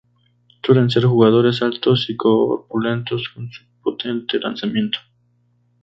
Suelen ser jugadores altos y corpulentos con un potente lanzamiento.